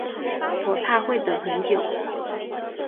我怕会等很久